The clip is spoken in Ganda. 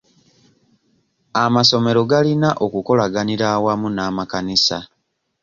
Amasomero galina okukolaganira awamu n'amakanisa.